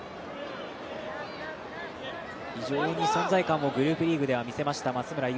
非常に存在感もグループリーグでは見せました。